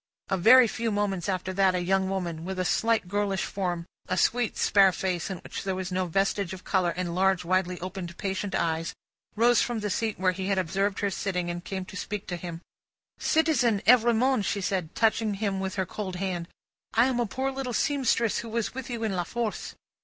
A very few moments after that, a young woman, with a slight girlish form, a sweet spare face in which there was no vestige of colour, and large widely opened patient eyes, rose from the seat where he had observed her sitting, and came to speak to him. "Citizen Evrémonde," she said, touching him with her cold hand. "I am a poor little seamstress, who was with you in La Force."